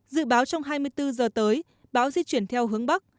dự báo trong hai mươi bốn giờ tới bão di chuyển theo hướng bắc